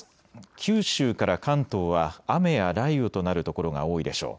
九州から関東は雨や雷雨となる所が多いでしょう。